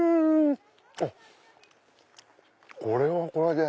あっこれはこれで。